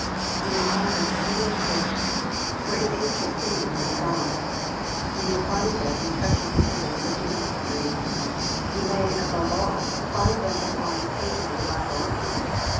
You may find them in heathen myths, or in ancient sayings and songs. You may find them in touching incidents of human history. You may, above all, find them upon the pages of the Bible.